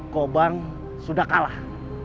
gopal goban sudah kalah